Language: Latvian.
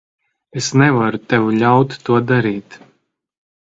Es nevaru tev ļaut to darīt.